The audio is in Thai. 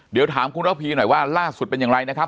เดี๋ยวถามคุณระพีหน่อยว่าล่าสุดเป็นอย่างไรนะครับ